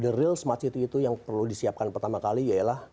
the real smart city itu yang perlu disiapkan pertama kali ialah